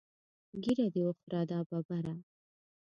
ږیره دې وخوره دا ببره.